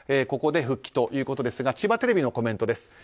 ここで復帰ということですが千葉テレビのコメントです。